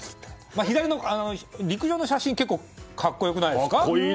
左の陸上の写真は結構、格好良くないですか